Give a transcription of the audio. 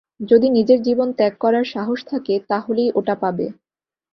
যদি নিজের জীবন ত্যাগ করার সাহস থাকে, তাহলেই ওটা পাবে।